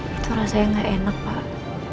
itu rasanya nggak enak pak